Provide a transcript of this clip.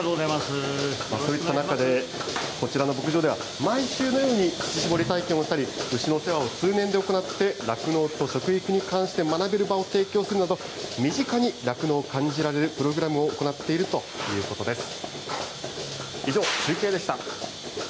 そういった中で、こちらの牧場では、毎週のように乳搾り体験をしたり、牛のお世話を通年で行って、酪農と食育に関して学べる場を提供するなど、身近に酪農を感じられるプログラムを行っているということです。